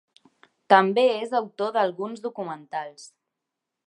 També és autor d'alguns documentals.